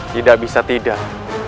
tidak bisa tidak